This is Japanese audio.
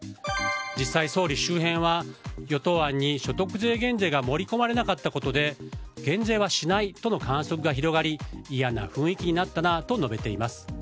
実際、総理周辺は与党案に所得税減税が盛り込まれなかったことで減税はしないという観測が広がり嫌な雰囲気になったなと述べています。